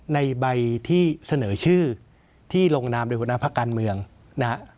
ในใบที่เสนอชื่อที่ลงนามโดยหัวหน้าพักการเมืองนะฮะ